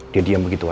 dia diam begitu aja